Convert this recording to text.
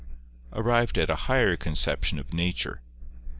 arrived at a higher conception of Nature.